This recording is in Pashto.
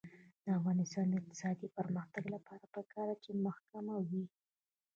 د افغانستان د اقتصادي پرمختګ لپاره پکار ده چې محکمه وي.